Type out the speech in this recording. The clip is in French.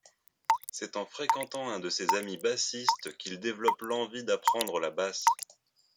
C'est en fréquentant un de ses amis bassistes qu'il développe l'envie d'apprendre la basse.